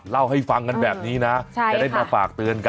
เล่าให้ฟังกันแบบนี้นะจะได้มาฝากเตือนกัน